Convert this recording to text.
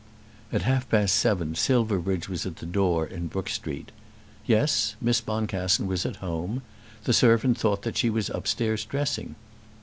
At half past seven Silverbridge was at the door in Brook Street. Yes; Miss Boncassen was at home. The servant thought that she was upstairs dressing.